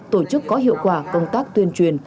tổ chức có hiệu quả công tác tuyên truyền